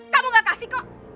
kamu gak kasih kok